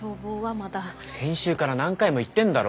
先週から何回も言ってんだろ。